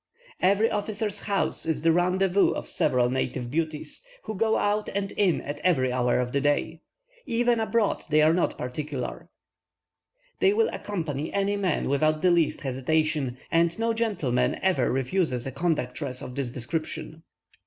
Every officer's house is the rendezvous of several native beauties, who go out and in at every hour of the day. Even abroad they are not particular; they will accompany any man without the least hesitation, and no gentleman ever refuses a conductress of this description.